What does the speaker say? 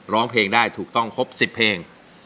ร้องเพลงได้ถูกต้องครบ๑๐เพลง